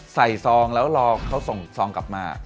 ซองแล้วรอเขาส่งซองกลับมา